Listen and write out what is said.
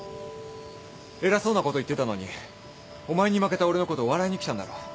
偉そうなこと言ってたのにお前に負けた俺のことを笑いに来たんだろ。